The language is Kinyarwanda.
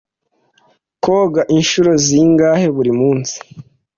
Koga inshuro zingahe buri munsi?